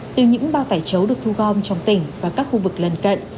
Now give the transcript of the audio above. từ những bao tải chấu được thu gom trong tỉnh và các khu vực lần cận